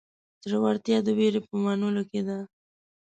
زړهورتیا د وېرې په منلو کې ده.